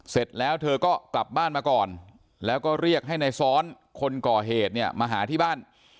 เสร็จแล้วเธอก็กลับบ้านมาก่อนแล้วก็เรียกให้ในซ้อนคนก่อเหตุเนี่ยมาหาที่บ้าน